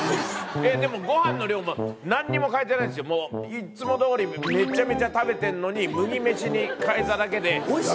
でもごはんの量も、なんにも変えてないんすよ、いつもどおり、めちゃめちゃ食べてるのに、麦飯に変えただけで。